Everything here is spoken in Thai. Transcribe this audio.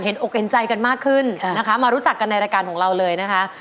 อกเห็นใจกันมากขึ้นนะคะมารู้จักกันในรายการของเราเลยนะคะ